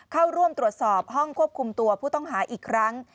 เข้าร่วมตรวจสอบห้องควบคุมตัวผู้ต้องหาอีกครั้ง